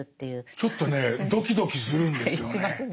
ちょっとねドキドキするんですよね。